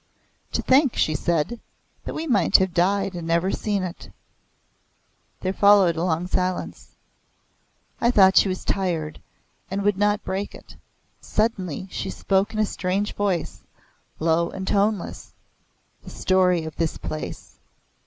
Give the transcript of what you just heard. "To think," she said, "that we might have died and never seen it!" There followed a long silence. I thought she was tired, and would not break it. Suddenly she spoke in a strange voice, low and toneless; "The story of this place.